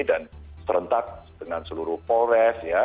dan serentak dengan seluruh polres